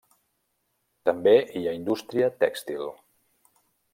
També hi ha indústria tèxtil.